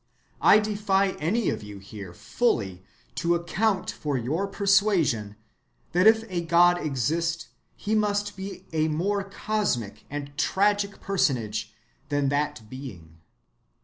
I defy any of you here fully to account for your persuasion that if a God exist he must be a more cosmic and tragic personage than that Being.